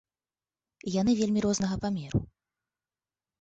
Яны вельмі рознага памеру.